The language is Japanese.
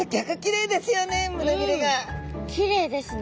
きれいですね。